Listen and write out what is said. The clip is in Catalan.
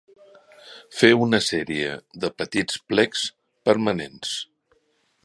Fer una sèrie de petits plecs permanents.